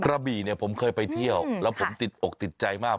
กระบี่เนี่ยผมเคยไปเที่ยวแล้วผมติดอกติดใจมาก